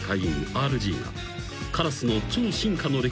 ＲＧがカラスの超進化の歴史を研究すると］